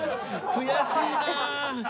悔しいな。